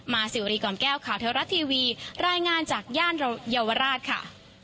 สิวรีก่อนแก้วข่าวเทวรัฐทีวีรายงานจากย่านเยาวราชค่ะ